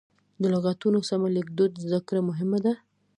د لغتونو سمه لیکدود زده کړه مهمه ده.